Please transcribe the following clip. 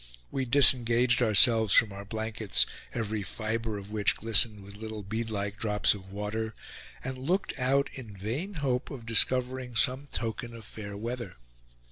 We disengaged ourselves from our blankets, every fiber of which glistened with little beadlike drops of water, and looked out in vain hope of discovering some token of fair weather.